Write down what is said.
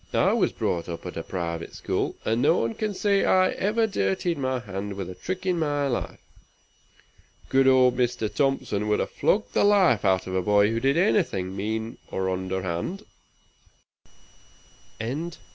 I was brought up at a private school, and no one can say I ever dirtied my hands with a trick in my life. Good old Mr. Thompson would have flogged the life out of a boy who did anything mean or underhand."